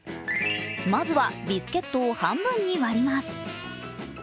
まずは、ビスケットを半分に割ります。